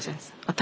私？